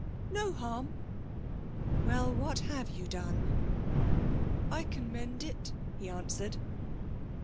No harm.' 'Well, what have you done?' 'I can mend it,' he answered.